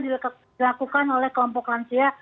dilakukan oleh kelompok lansia